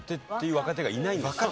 若手いないですよ。